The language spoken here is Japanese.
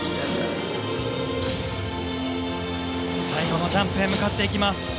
最後のジャンプへ向かっていきます。